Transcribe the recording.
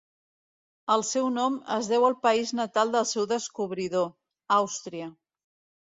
El seu nom es deu al país natal del seu descobridor, Àustria.